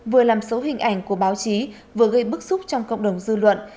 vừa làm xấu hình ảnh của báo chí vừa gây bức xúc trong cộng đồng dư luận